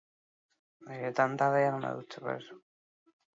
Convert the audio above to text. Gainontzeko uharteak askoz txikiagoak dira.